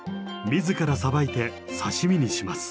自らさばいて刺身にします。